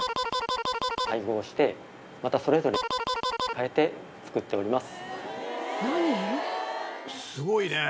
またそれぞれ変えて作っております。